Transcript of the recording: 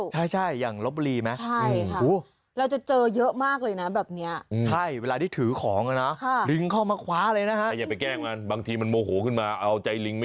ครัวกันยื่นอาหารให้ลิง